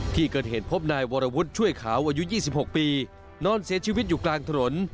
ที่เกิดเหตุพบนายวรวุฒิช่วยขาวอายุ๒๖ปีนอนเสียชีวิตอยู่กลางถนน